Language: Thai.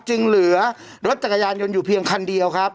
จึงเหลือรถจักรยานยนต์อยู่เพียงคันเดียวครับ